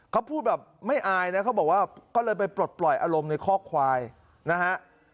เขาพูดแบบไม่อายนะเขาบอกว่าก็เลยไปปลดปล่อยอารมณ์ในข้อควายนะฮะ